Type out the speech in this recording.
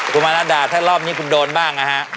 คุณมานัดดาถ้ารอบนี้คุณโดนบ้างนะฮะ